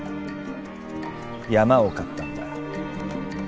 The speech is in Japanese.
山を買ったんだ。